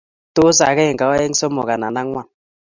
Tos akeenge aeng somok andan angwan